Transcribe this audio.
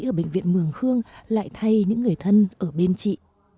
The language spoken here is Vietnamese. các bác sĩ ở bệnh viện mường khương lại thay những người thân ở bên chị